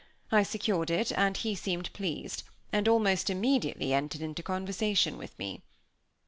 I secured it, and he seemed pleased, and almost immediately entered into conversation with me.